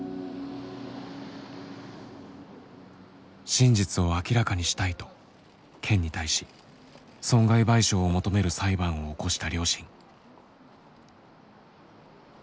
真実を明らかにしたいと県に対し損害賠償を求める裁判を起こした両親。